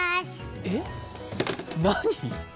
えっ何？